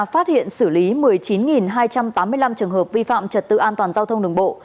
phát hiện xử lý một mươi chín hai trăm tám mươi năm trường hợp vi phạm trật tự an toàn giao thông đường bộ